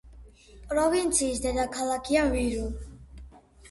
პროვინციის დედაქალაქია ვირუ.